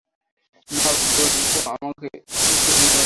নাও বোন, তাকে আমার সামনে জুতা দিয়ে মারো।